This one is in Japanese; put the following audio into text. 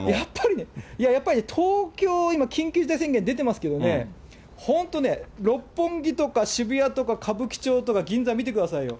やっぱりね、東京、今、緊急事態宣言出てますけどね、本当ね、六本木とか、渋谷とか歌舞伎町とか銀座見てくださいよ。